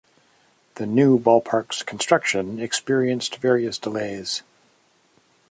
The new ballpark's construction experienced various delays.